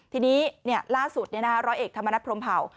ทีนี้ล่าสุดร้อยเอกธรรมนัฐพรมเผา